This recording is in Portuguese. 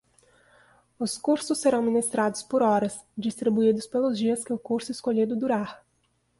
Os cursos serão ministrados por horas, distribuídos pelos dias que o curso escolhido durar.